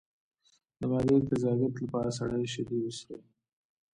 د معدې د تیزابیت لپاره سړې شیدې وڅښئ